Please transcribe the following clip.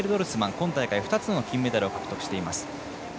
今大会２つの金メダルを獲得しています。